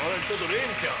廉ちゃん。